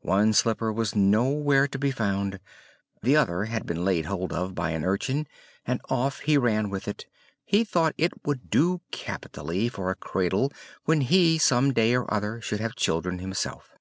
One slipper was nowhere to be found; the other had been laid hold of by an urchin, and off he ran with it; he thought it would do capitally for a cradle when he some day or other should have children himself.